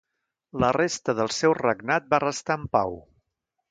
La resta del seu regnat va restar en pau.